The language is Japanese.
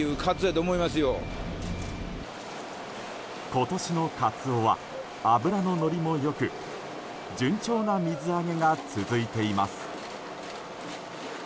今年のカツオは脂ののりも良く順調な水揚げが続いています。